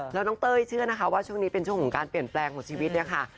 แล้วน้องเต้ยเชื่อนะคะว่าช่วงนี้เป็นช่วงของการเปลี่ยนแปลงของชีวิตเนี่ยค่ะ